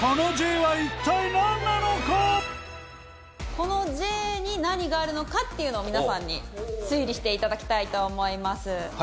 このＪに何があるのかっていうのを皆さんに推理して頂きたいと思います。